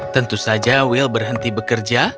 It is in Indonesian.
tentu saja will berhenti bekerja